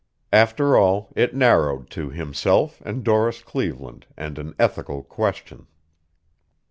After all, it narrowed to himself and Doris Cleveland and an ethical question.